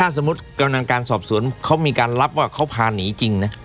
สมมุติกำลังการสอบสวนเขามีการรับว่าเขาพาหนีจริงนะ